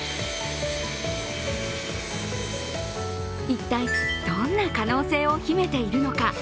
一体、どんな可能性を秘めているのか。